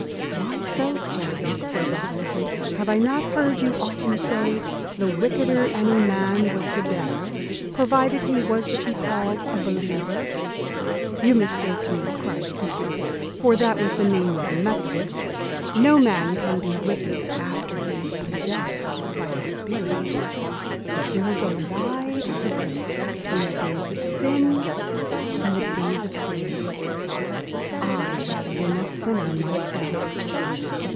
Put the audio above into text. "Why so, friend?" said Robinson. "Have I not heard you often say, the wickeder any man was the better, provided he was what you call a believer?" "You mistake me," cries Cooper (for that was the name of the methodist): "no man can be wicked after he is possessed by the spirit. There is a wide difference between the days of sin and the days of grace. I have been a sinner myself."